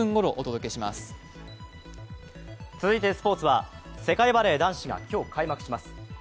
続いてスポーツは、世界バレー男子が今日開幕します。